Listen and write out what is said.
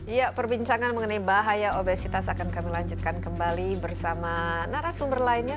ya perbincangan mengenai bahaya obesitas akan kami lanjutkan kembali bersama narasumber lainnya